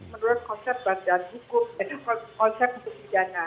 menurut konsep badan hukum konsep untuk pidana